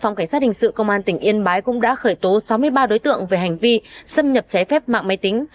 phòng cảnh sát hình sự công an tỉnh yên bái cũng đã khởi tố sáu mươi ba đối tượng về hành vi xâm nhập trái phép mạng máy tính